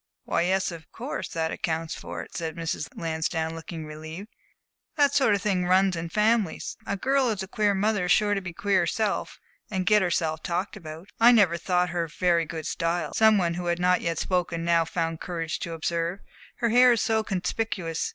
"Why, yes, of course, that accounts for it," said Mrs. Lansdowne, looking relieved. "That sort of thing runs in families. A girl who has a queer mother is sure to be queer herself and get herself talked about." "I never thought her very good style," some one who had not yet spoken now found courage to observe. "Her hair is so conspicuous.